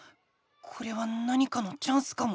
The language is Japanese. これは何かのチャンスかも。